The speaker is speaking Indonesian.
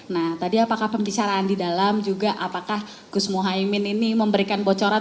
nah tadi apakah pembicaraan di dalam juga apakah gus muhaymin ini memberikan bocoran